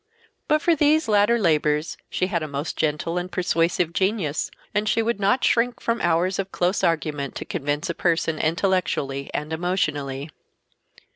But for these latter labors she had a most gentle and persuasive genius, and she would not shrink from hours of close argument to convince a person intellectually and emotionally.